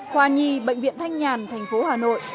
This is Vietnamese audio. khoa nhi bệnh viện thanh nhàn thành phố hà nội